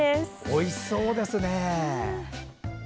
おいしそうですね！